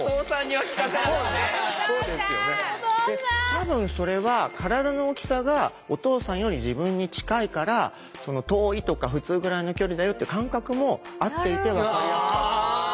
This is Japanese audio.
多分それは体の大きさがお父さんより自分に近いから遠いとか普通ぐらいの距離だよっていう感覚も合っていてわかりやすかった。